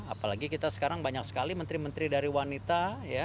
apalagi kita sekarang banyak sekali menteri menteri dari wanita